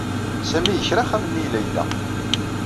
Sami yekra axxam-nni i Layla.